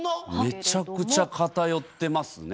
めちゃくちゃ偏ってますね。